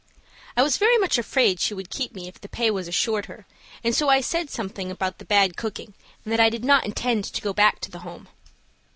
I was very much afraid she would keep me if the pay was assured her, and so I said something about the bad cooking and that I did not intend to go back to the Home.